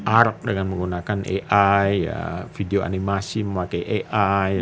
arab dengan menggunakan ai video animasi memakai ai